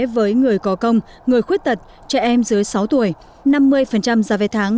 với người có công người khuyết tật trẻ em dưới sáu tuổi năm mươi giá vé tháng